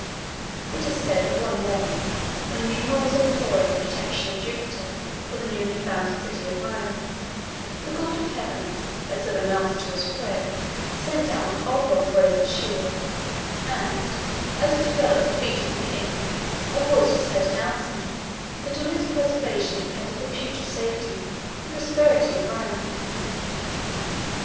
It is said that one morning, when Numa was imploring the protection of Jupiter for the newly founded city of Rome, the god of heaven, as though in answer to his prayer, sent down an oblong brazen shield, and, as it fell at the feet of the king, a voice was heard announcing that on its preservation depended the future safety and prosperity of Rome.